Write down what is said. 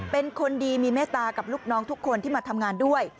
เป็นคนดีมีเมตตากับลูกน้องทุกคนที่มาทำงานด้วย